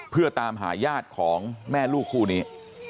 เพื่อตามหาญาติของแม่ลูกคู่นี้